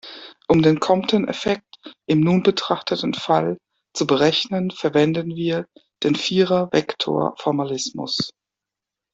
Um den Compton-Effekt im nun betrachteten Fall zu berechnen, verwenden wir den Vierervektor-Formalismus.